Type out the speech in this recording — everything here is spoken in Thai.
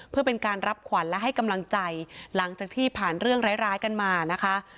เพื่อเป็นการรับขวัญและให้กำลังใจหลังจากที่ผ่านเรื่องร้ายกันมานะคะ